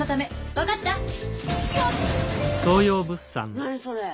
何それ？